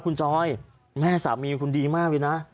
คุณจอยแม่สามีคุณดีมากเลยนะ